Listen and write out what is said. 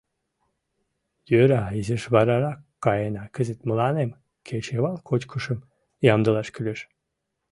— Йӧра, изиш варарак каена, кызыт мыланем кечывал кочкышым ямдылаш кӱлеш.